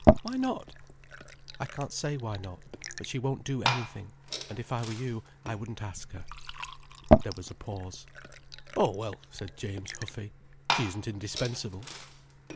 Why not?" "I can't say why not. But she won't do anything—and if I were you I wouldn't ask her." There was a pause. "Oh, well," said James, huffy. "She isn't indispensable."